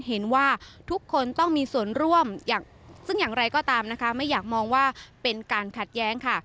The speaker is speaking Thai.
เห็นว่าทุกคนต้องมีส่วนร่วมซึ่งอย่างไรก็ตามนะคะไม่อยากมองว่าเป็นการขัดแย้งค่ะ